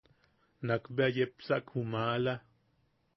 Nakbea yepsak ju maala.